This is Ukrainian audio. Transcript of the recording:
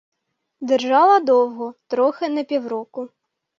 Держала довго, трохи не півроку.